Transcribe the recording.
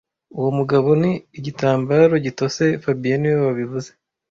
Uwo mugabo ni igitambaro gitose fabien niwe wabivuze